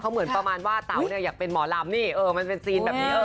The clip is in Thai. เหมือนประมาณว่าเต๋าอยากเป็นหมอลำมันเป็นภูสินแบบนี้